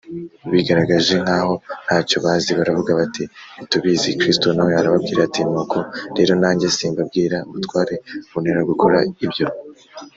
bigaragaje nk’aho ntacyo bazi, baravuga bati: ‘ntitubizi’ kristo nawe arababwira ati: ‘nuko rero nanjye simbabwira ubutware buntera gukora ibyo